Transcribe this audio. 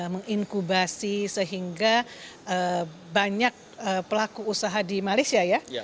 menginkubasi sehingga banyak pelaku usaha di malaysia ya